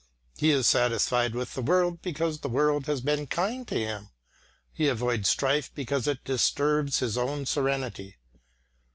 He is satisfied with the world because the world has been kind to him; he avoids strife because it disturbs his own serenity.